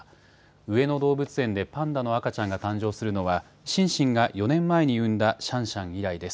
上野動物園でパンダの赤ちゃんが誕生するのはシンシンが４年前に産んだシャンシャン以来です。